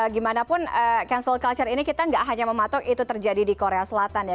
gimanapun cancel culture ini kita nggak hanya mematok itu terjadi di korea selatan ya